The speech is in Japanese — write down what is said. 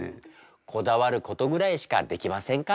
こだわることぐらいしかできませんから。